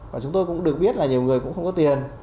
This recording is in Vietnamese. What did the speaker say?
và chúng tôi cũng được biết là nhiều người cũng không có tiền